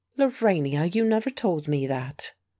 "Lorania, you never told me that!"